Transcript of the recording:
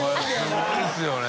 すごいですよね。